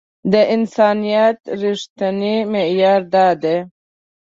د انسانيت رښتينی معيار دا دی.